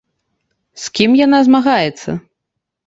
З кім яна змагаецца?